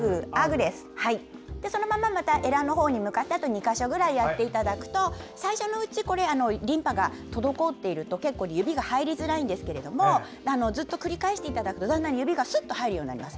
そのまま、えらのほうに向かってあと２か所ほどやっていただくと最初のうちリンパが滞っていると結構、指が入りづらいんですがずっと繰り返していただくと指がすっと入るようになります。